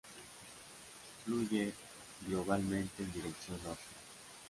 Fluye globalmente en dirección norte.